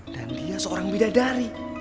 dan dia seorang bidadari